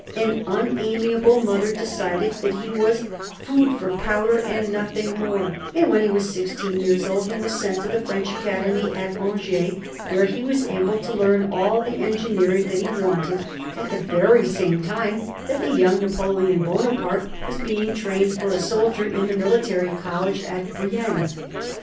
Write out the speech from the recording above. An unamiable mother decided that he was "food for powder and nothing more;" and when he was sixteen years old he was sent to the French Academy at Angers, where he was able to learn all the engineering that he wanted, at the very same time that the young Napoleon Bonaparte was being trained for a soldier in the military college at Brienne.